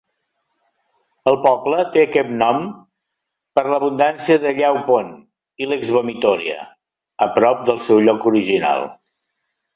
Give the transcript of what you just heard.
El poble té aquest nom per l'abundància de "yaupon" (Ilex vomitoria) a prop del seu lloc original.